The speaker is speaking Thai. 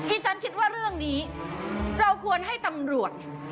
ฉันคิดว่าเรื่องนี้เราควรให้ตำรวจ